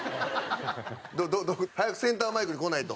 早くセンターマイクに来ないと。